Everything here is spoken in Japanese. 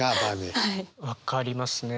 分かりますね。